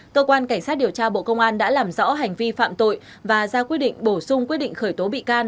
cơ quan cảnh sát điều tra bộ công an đã làm rõ hành vi phạm tội và ra quyết định bổ sung quyết định khởi tố bị can